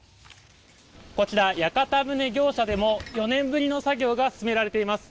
こちら、屋形船業者でも４年ぶりの作業が進められています。